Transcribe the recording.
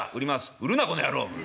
「売るなこの野郎。